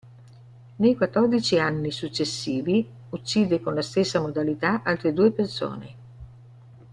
Nei quattordici anni successivi uccide con la stessa modalità altre due persone.